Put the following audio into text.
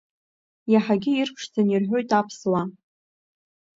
Иаҳагьы ирԥшӡаны ирҳәоит аԥсуаа.